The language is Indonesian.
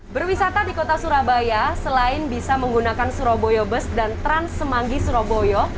berwisata di kota surabaya selain bisa menggunakan surabaya bus dan trans semanggi surabaya